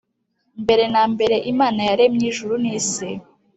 Mbere na mbere Imana yaremye ijuru n isi